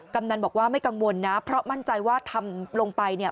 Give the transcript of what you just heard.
กำนันบอกว่าไม่กังวลนะเพราะมั่นใจว่าทำลงไปเนี่ย